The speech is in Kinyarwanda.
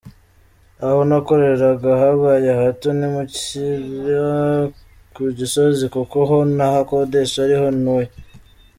Aho nakoreraga habaye hato nimukira ku Gisozi kuko ho ntahakodesha ariho ntuye.